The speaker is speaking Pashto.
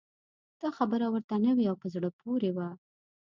دا خبره ورته نوې او په زړه پورې وه.